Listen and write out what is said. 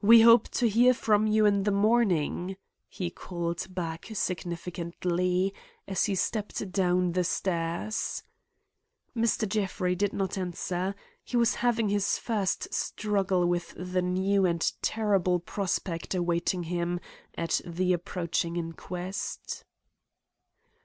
"We hope to hear from you in the morning," he called back significantly, as he stepped down the stairs. Mr. Jeffrey did not answer; he was having his first struggle with the new and terrible prospect awaiting him at the approaching inquest.